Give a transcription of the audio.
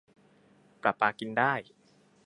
ประปากินได้